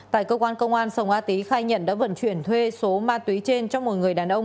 tại cơ quan công an sông a tý khai nhận đã vận chuyển thuê số ma túy trên cho một người đàn ông